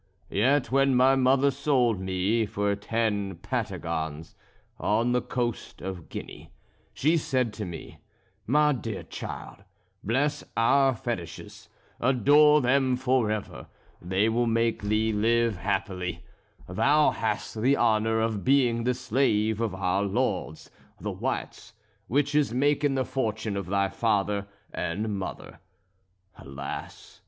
Yet when my mother sold me for ten patagons on the coast of Guinea, she said to me: 'My dear child, bless our fetiches, adore them for ever; they will make thee live happily; thou hast the honour of being the slave of our lords, the whites, which is making the fortune of thy father and mother.' Alas!